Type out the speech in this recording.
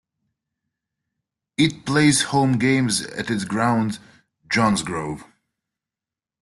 It plays home games at its grounds "Johnsgrove".